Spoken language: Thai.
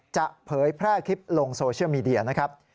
เผยแพร่คลิปลงโซเชียลมีเดียนะครับ